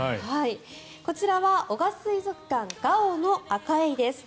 こちらは男鹿水族館ＧＡＯのアカエイです。